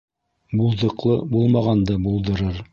Булдыҡлы булмағанды булдырыр.